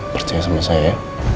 percaya sama saya ya